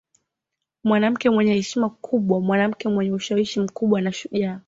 Mwanamke mwenye heshima kubwa mwanamke mwenye ushawishi mkubwa na shujaa